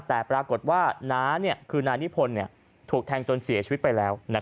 แต่ปรากฏว่านานี่นานิพลถูกแทงจนเสียชีวิตไปแล้วนะครับ